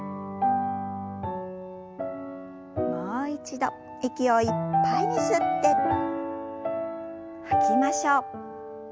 もう一度息をいっぱいに吸って吐きましょう。